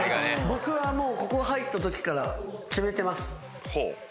僕はもうここ入ったときから決めてます。